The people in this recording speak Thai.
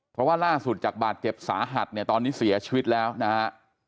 เพราะว่าล่าสุดจากบาดเจ็บสาหัสเนี่ยตอนนี้เสียชีวิตแล้วนะฮะ